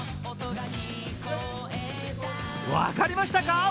分かりましたか？